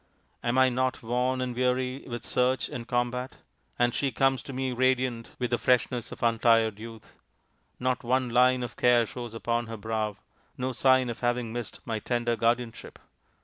" Am I not worn and weary with search and combat ? And she comes to me radiant with the freshness of untired youth. Not one line of care shows upon her brow, no sign of having missed my tender guardianship